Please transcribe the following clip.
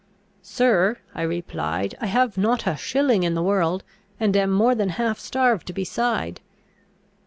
"Sir," I replied, "I have not a shilling in the world, and am more than half starved beside."